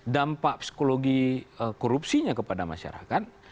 dampak psikologi korupsinya kepada masyarakat